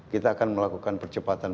kita akan melakukan percepatan